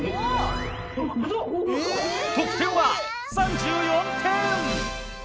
得点は３４点。